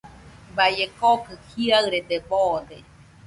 Baie kokɨ jiaɨre boode.